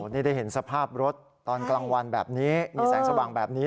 นี่ได้เห็นสภาพรถตอนกลางวันแบบนี้มีแสงสว่างแบบนี้